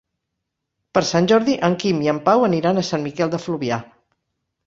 Per Sant Jordi en Quim i en Pau aniran a Sant Miquel de Fluvià.